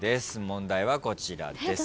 問題はこちらです。